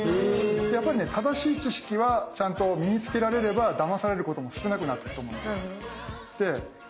やっぱりね正しい知識はちゃんと身に付けられればだまされることも少なくなっていくと思うんです。